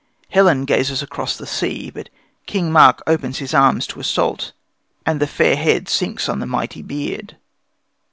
Helen gazes across the sea, but King Mark opens his arms to Iseult, and the fair head sinks on the mighty beard.